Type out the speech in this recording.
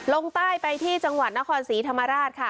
ลงใต้ไปที่จังหวัดนครศรีธรรมราชค่ะ